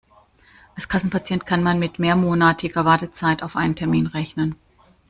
Als Kassenpatient kann man mit mehrmonatiger Wartezeit auf einen Termin rechnen.